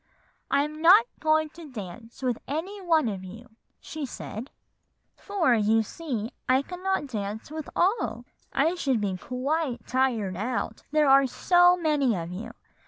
"'I'm not going to dance with any of you,' she said; 'for, you see, I cannot dance with all; I should be quite tired out, there are so many of you.